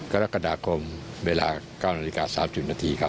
กรกฎาคมเวลา๙นาฬิกา๓๐นาทีครับ